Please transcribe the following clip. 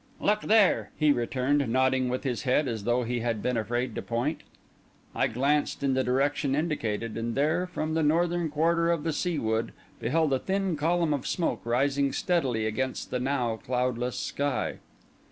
"Look there," he returned, nodding with his head, as though he had been afraid to point. I glanced in the direction indicated; and there, from the northern quarter of the Sea Wood, beheld a thin column of smoke rising steadily against the now cloudless sky.